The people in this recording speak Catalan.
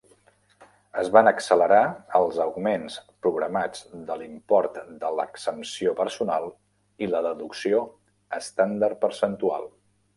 Es van accelerar els augments programats de l'import de l'exempció personal i la deducció estàndard percentual.